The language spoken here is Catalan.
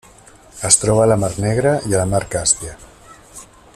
Es troba a la Mar Negra i a la Mar Càspia.